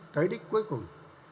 tới đích cuối cùng